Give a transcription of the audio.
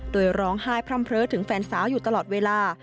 โดยร้องไห้พร่ำเพลอถึงแฟนสาวอยู่ตลอดเวลา